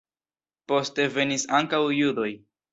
Poste venis ankaŭ judoj.